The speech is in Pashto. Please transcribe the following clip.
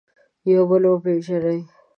یو بل وپېژني.